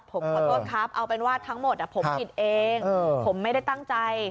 ผมขอโทษครับเอาเป็นว่าทั้งหมดผมผิดเองผมไม่ได้ตั้งใจ